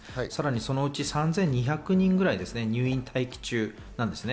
そのうち３２００人ぐらい、入院待機中なんですね。